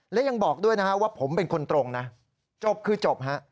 และยังบอกด้วยนะฮะว่าผมเป็นคนตรงนะจบคือจบฮะ